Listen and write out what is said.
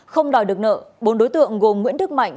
không đòi được nợ bốn đối tượng gồm nguyễn đức mạnh